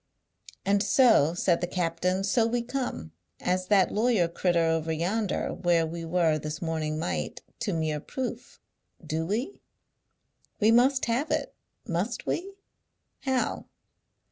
"And so," said the captain, "so we come as that lawyer crittur over yonder where we were this morning might to mere proof; do we? We must have it; must we? How?